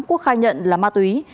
quốc khai nhận là ma túy